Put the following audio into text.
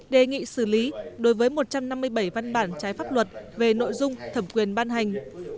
đề nghị xử lý đối với một trăm năm mươi bảy văn bản trái pháp luật về nội dung thẩm quyền ban hành